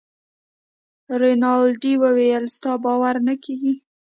رینالډي وویل ستا باور نه کیږي.